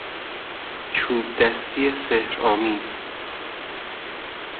چوبدستی سحرآمیز